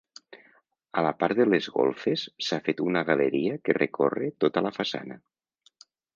A la part de les golfes s'ha fet una galeria que recorre tota la façana.